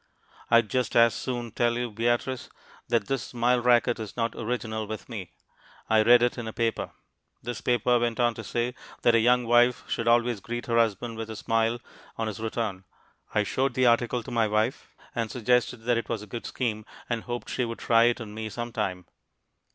I'd just as soon tell you, Beatrice, that this smile racket is not original with me. I read it in a paper. This paper went on to say that a young wife should always greet her husband with a smile on his return. I showed the article to my wife and suggested that it was a good scheme, and hoped she would try it on me sometime.